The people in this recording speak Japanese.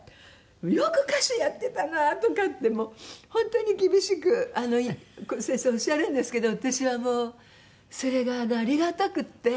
「よく歌手やってたな」とかってもう本当に厳しく先生おっしゃるんですけど私はもうそれがありがたくて。